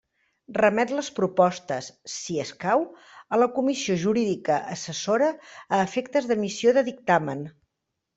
Remet les propostes, si escau, a la Comissió Jurídica Assessora a efectes d'emissió de dictamen.